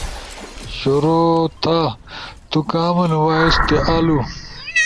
شروع تھا، تُو کان وائس تے آلو